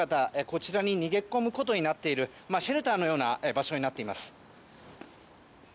こちらに逃げ込むことになっているシェルターのような場所になっています。